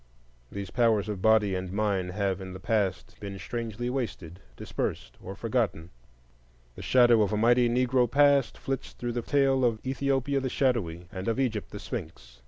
These powers of body and mind have in the past been strangely wasted, dispersed, or forgotten. The shadow of a mighty Negro past flits through the tale of Ethiopia the Shadowy and of Egypt the Sphinx.